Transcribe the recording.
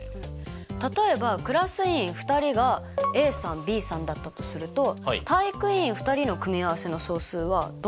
例えばクラス委員２人がＡさんＢさんだったとすると体育委員２人の組合せの総数はどのようにして求めますか？